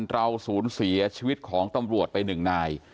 เราศูนย์เสียชีวิตของตำรวจไปหนึ่งนาย